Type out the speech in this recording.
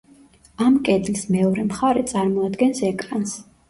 ამ კედლის მეორე მხარე წარმოადგენს ეკრანს.